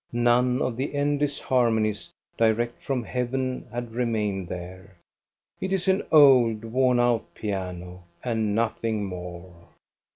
None of the endless harmonies direct from heaven had remained there. It is an old, worn out piano, and nothing more.